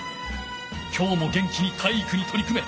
きょうも元気に体育にとり組め！